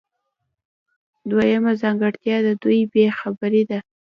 دویمه ځانګړتیا د دوی بې خبري ده.